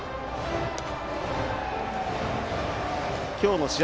今日の試合